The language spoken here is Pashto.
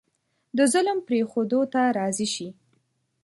د ظلم پرېښودو ته راضي شي.